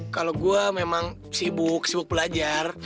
kalau gue memang sibuk sibuk belajar